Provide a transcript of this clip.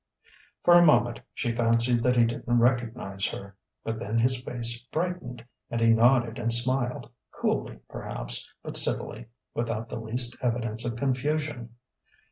For a moment she fancied that he didn't recognize her. But then his face brightened, and he nodded and smiled, coolly, perhaps, but civilly, without the least evidence of confusion.